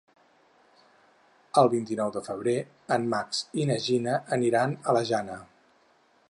El vint-i-nou de febrer en Max i na Gina aniran a la Jana.